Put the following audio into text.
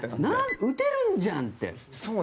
打てるんじゃん！